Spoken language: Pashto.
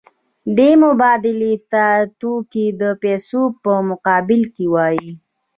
دې مبادلې ته توکي د پیسو په مقابل کې وايي